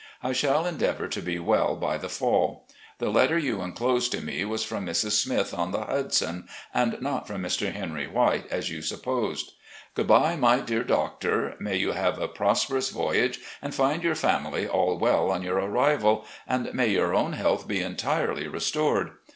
I shall endeavour to be well by the fall. The letter you inclosed to me was from Mrs. Smith on the Hudson — ^and not from Mr. Henry White, as you supposed. Good bye, my dear doctor; may you have a prosperous voyage and fed your family all well on your arrival, and may your own health be entirely restored.